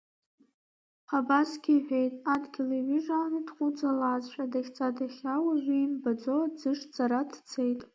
Абасгьы иҳәеит, адгьыл еиҩыжааны дхәыҵалазшәа, дахьца-дахьаа уаҩы имбо аӡы шцара дцеит.